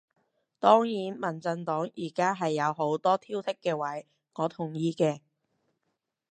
當然民進黨而家係有好多挑剔嘅位，我同意嘅